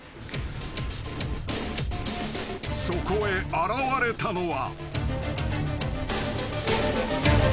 ［そこへ現れたのは］